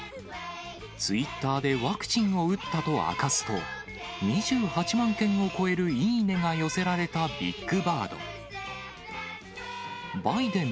ツイッターでワクチンを打ったと明かすと、２８万件を超えるいいねが寄せられたビッグバード。